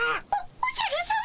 おおじゃるさま！